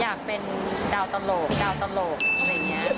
อยากเป็นดาวตลกอะไรอย่างนี้